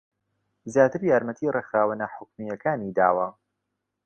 زیاتر یارمەتی ڕێکخراوە ناحوکمییەکانی داوە